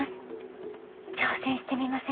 挑戦してみませんか？